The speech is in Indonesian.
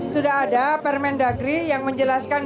sudah ada permendagri yang menjelaskan